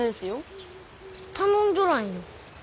頼んじょらんよ。